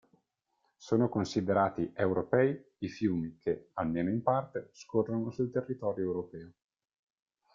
Sono considerati "europei" i fiumi che, almeno in parte, scorrono sul territorio europeo.